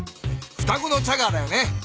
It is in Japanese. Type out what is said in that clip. ふたごのチャガーだよね。